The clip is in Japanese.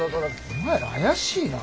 お前ら怪しいな。